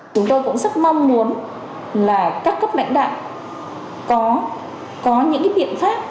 chúng tôi cũng rất mong muốn là các cấp lãnh đạo có những biện pháp